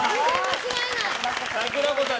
さくらこさん